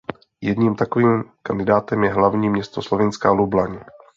Jedním takovým kandidátem je hlavní město Slovinska Lublaň.